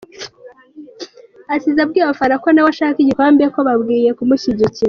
Asize abwiye abafana ko na we ashaka igikombe ko bakwiye kumushyigikira.